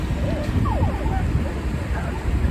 څوک به زما په مرګ خواشینی څوک به ښاد وي؟٫